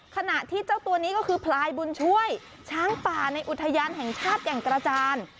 ขณะที่เจ้าตัวนี้ก็คือพลายบุญช่วยช้างป่าในอุทยานแห่งชาติแก่งกระจาน